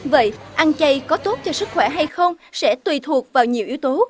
vậy ăn chay có tốt cho sức khỏe hay không sẽ tùy thuộc vào nhiều yếu tố